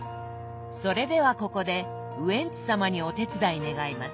それではここでウエンツ様にお手伝い願います。